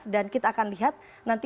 dan di dua puluh tahun